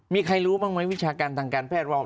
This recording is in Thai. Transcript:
มีใครรู้บ้างไหมวิชาการทางการแพทย์ว่า